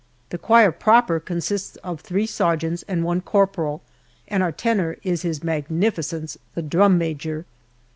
The choir proper consists of three sergeants and one corporal, and our tenor is his magnificence, the drum major!